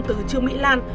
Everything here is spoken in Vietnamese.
từ trường mỹ lan